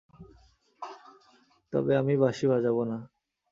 তবে আমি বাঁশি বাজাবো না।